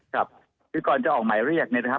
ครับคือก่อนจะออกหมายเรียกเนี่ยนะครับ